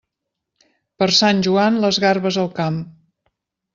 Per Sant Joan, les garbes al camp.